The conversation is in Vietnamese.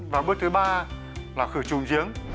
và bước thứ ba là khử trùng giếng